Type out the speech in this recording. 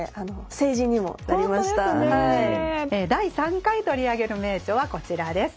第３回取り上げる名著はこちらです。